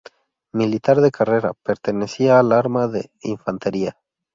Militar de carrera, pertenecía al arma de infantería.